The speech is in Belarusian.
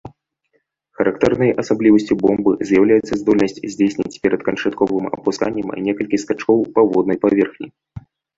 Характэрнай асаблівасцю бомбы з'яўляецца здольнасць здзейсніць перад канчатковым апусканнем некалькі скачкоў па воднай паверхні.